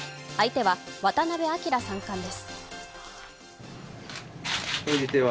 相手は渡辺明三冠です。